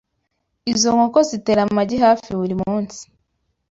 Izo nkoko zitera amagi hafi buri munsi.